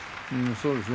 そうですね。